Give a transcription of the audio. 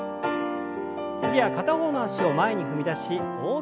次は片方の脚を前に踏み出し大きく胸を開きます。